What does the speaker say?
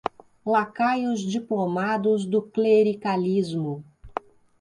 lacaios diplomados do clericalismo